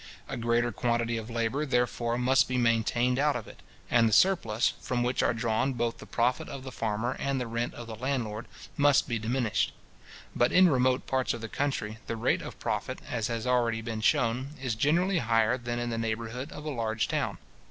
A greater quantity of labour, therefore, must be maintained out of it; and the surplus, from which are drawn both the profit of the farmer and the rent of the landlord, must be diminished. But in remote parts of the country, the rate of profit, as has already been shewn, is generally higher than in the neighbourhood of a large town.